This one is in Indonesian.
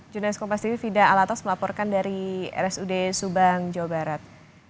jurnalis kompas ini fida alatas melaporkan dari rsud subang jawa barat